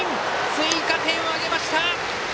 追加点を挙げました。